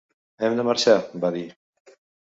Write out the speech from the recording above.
"Hem de marxar", va dir.